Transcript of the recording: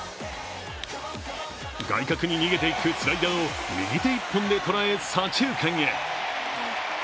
外角に逃げていくスライダーを右手一本で捉え左中間へ。